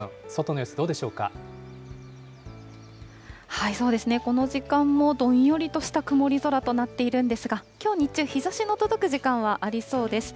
雲が広がっていますが、近藤さん、そうですね、この時間もどんよりとした曇り空となっているんですが、きょう日中、日ざしの届く時間はありそうです。